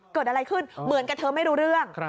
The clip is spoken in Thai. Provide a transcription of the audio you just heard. เกิดอะไรขึ้นเหมือนกับเธอไม่รู้เรื่อง